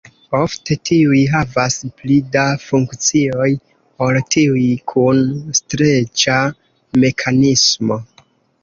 Ofte tiuj havas pli da funkcioj ol tiuj kun streĉa mekanismo.